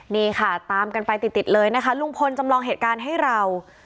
นี่ค่ะตามกันไปติดเลยนะคะลุงพลจำลองเหตุการณ์ให้เรา